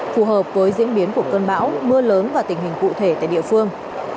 phù hợp với diễn biến của cơn bão mưa lớn và tình hình cụ thể tại địa phương